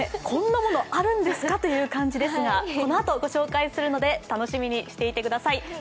こんなものあるんですかという感じですがこのあと御紹介するので楽しみにしていてください。